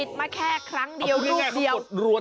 มาแค่ครั้งเดียวรูปเดียว